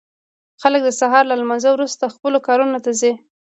خلک د سهار له لمانځه وروسته خپلو کارونو ته ځي.